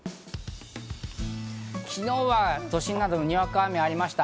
昨日は都心など、にわか雨がありました。